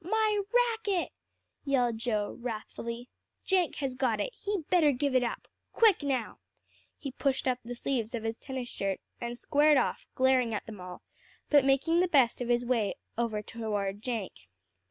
"My racket," yelled Joel wrathfully. "Jenk has got it; he better give it up. Quick now." He pushed up the sleeves of his tennis shirt, and squared off, glaring at them all, but making the best of his way over toward Jenk.